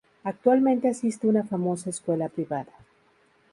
Actualmente asiste una famosa escuela privada.